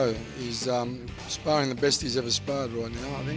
dia sparing yang terbaik yang pernah dia sparing sekarang